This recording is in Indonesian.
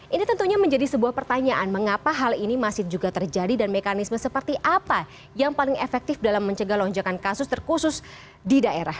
ini tentunya menjadi sebuah pertanyaan mengapa hal ini masih juga terjadi dan mekanisme seperti apa yang paling efektif dalam mencegah lonjakan kasus terkhusus di daerah